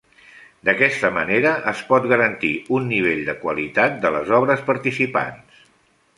D'aquesta manera es pot garantir un nivell de qualitat de les obres participants.